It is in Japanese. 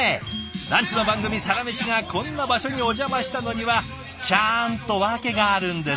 ランチの番組「サラメシ」がこんな場所にお邪魔したのにはちゃんと訳があるんです。